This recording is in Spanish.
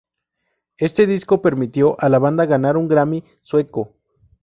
Este disco permitió a la banda ganar un Grammy sueco.